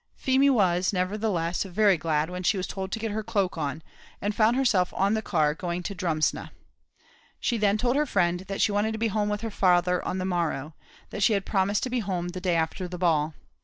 Feemy was, nevertheless, very glad when she was told to get her cloak on, and found herself on the car going to Drumsna. She then told her friend that she wanted to be home with her father on the morrow, that she had promised to be home the day after the ball.